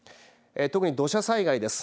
特に土砂災害です。